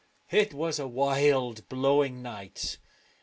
It was a wild blowing night.